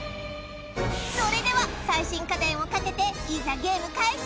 それでは最新家電をかけていざゲーム開始！